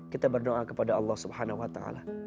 kita berdoa kepada allah subhanahu wa ta'ala